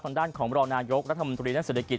ทางด้านของบริษัทนายกรัฐมนตรีและเศรษฐกิจ